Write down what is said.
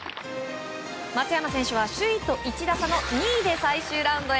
松山選手は首位と１打差の２位で最終ラウンドへ。